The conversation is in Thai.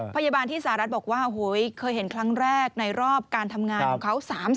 พยาบาลที่สหรัฐบอกว่าเคยเห็นครั้งแรกในรอบการทำงานของเขา๓๐